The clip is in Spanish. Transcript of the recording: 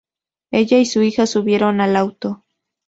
Ella y su hija subieron al auto.